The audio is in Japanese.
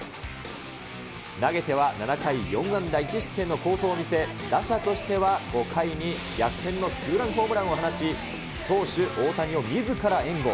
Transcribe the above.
投げては７回４安打１失点の好投を見せ、打者としては、５回に逆転のツーランホームランを放ち、投手大谷をみずから援護。